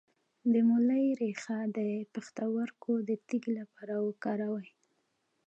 د مولی ریښه د پښتورګو د تیږې لپاره وکاروئ